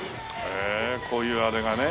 へえこういうあれがね。